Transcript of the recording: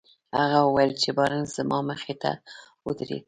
هغه وويل چې بارنس زما مخې ته ودرېد.